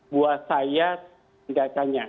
buat saya tidak tanya